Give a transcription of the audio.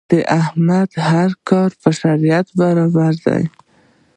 د احمد هر کار د په شرعه برابر دی.